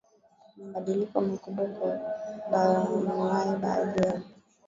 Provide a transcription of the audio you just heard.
mabadiliko makubwa kwa bayoanuaiBaadhi ya